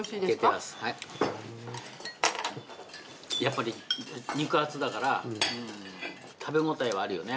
やっぱり肉厚だから食べごたえはあるよね。